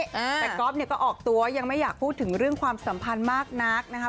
แต่ก๊อฟเนี่ยก็ออกตัวยังไม่อยากพูดถึงเรื่องความสัมพันธ์มากนักนะครับ